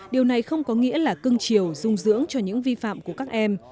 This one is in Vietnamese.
điều này không có nghĩa là cưng chiều dung dưỡng cho những vi phạm của các em